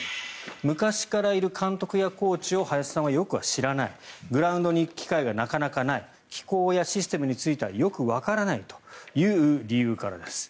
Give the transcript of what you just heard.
昔からいる監督やコーチを林さんはよくは知らないグラウンドに行く機会がなかなかない機構やシステムについてはよくわからないという理由からです。